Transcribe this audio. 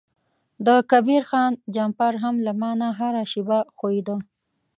د کبیر خان جمپر هم له ما نه هره شیبه ښویده.